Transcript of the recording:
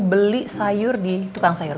beli sayur di tukang sayur